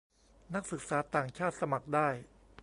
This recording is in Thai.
นักศึกษาต่างชาติสมัครได้